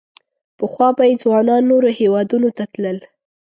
پخوا به یې ځوانان نورو هېوادونو ته تلل.